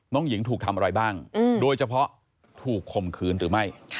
น้องหญิงถูกทำอะไรบ้างโดยเฉพาะถูกข่มขืนหรือไม่